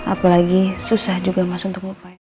apalagi susah juga mas untuk ngupai